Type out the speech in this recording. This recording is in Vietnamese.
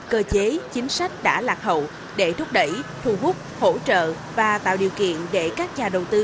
cơ chế chính sách đã lạc hậu để thúc đẩy thu hút hỗ trợ và tạo điều kiện để các nhà đầu tư